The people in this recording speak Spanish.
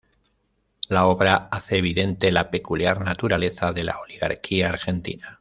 La obra hace evidente la peculiar naturaleza de la oligarquía argentina.